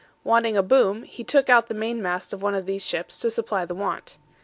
Wanting a boom, he took out the mainmast of one of these ships to supply the want.